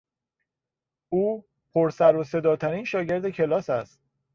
او پر سرو صدا ترین شاگرد کلاس است.